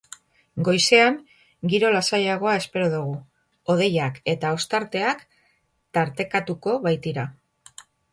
Goizean giro lasaiagoa espero dugu, hodeiak eta ostarteak tartekatuko baitira.